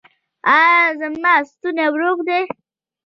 ایا زما ستونی روغ دی؟